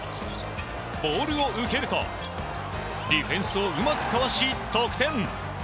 ボールを受けるとディフェンスをうまくかわし得点。